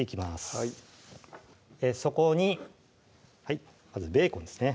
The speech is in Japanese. はいそこにまずベーコンですね